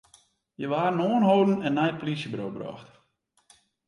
Hja waarden oanholden en nei it polysjeburo oerbrocht.